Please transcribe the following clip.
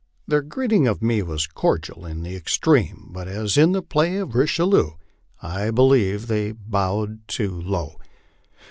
Their greeting of me was cordial in the extreme, but, as in the play of "Richelieu," I believe they " bowed too low."